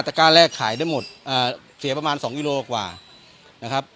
ก้าแรกขายได้หมดเสียประมาณ๒กิโลกว่านะครับ